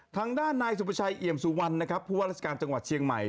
ทางด้านนายสุประชัยเอี่ยมสุวรรณนะครับผู้ว่าราชการจังหวัดเชียงใหม่